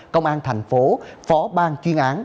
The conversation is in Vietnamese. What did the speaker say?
công an tp hcm phó bang chuyên án